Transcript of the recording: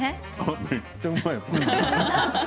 めっちゃうまい。